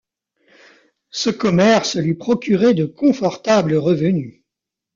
Ce commerce lui procurait de confortables revenus.